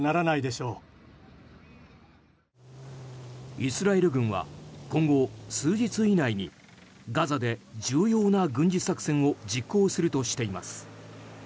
イスラエル軍は今後数日以内にガザで重要な軍事作戦を実行するとしています。